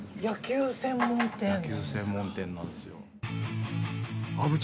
野球専門店なんですか。